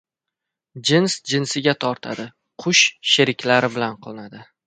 Jins jinsiga tortadi, qush sheriklari bilan qo‘nadi.